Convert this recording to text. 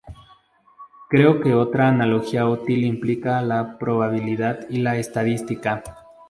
Creo que otra analogía útil implica a la probabilidad y la estadística.